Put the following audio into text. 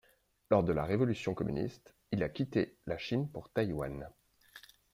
Lors de la révolution communiste il a quitté la Chine pour Taïwan.